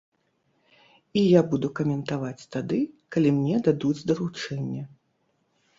І я буду каментаваць тады, калі мне дадуць даручэнне.